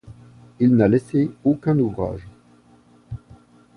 Il n'a laissé aucun ouvrage.